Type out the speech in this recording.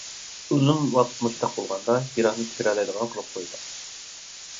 ئۇزۇن ۋاقىت مۇشۇنداق بولغاندا يىراقنى كۆرەلمەيدىغان قىلىپ قويىدۇ.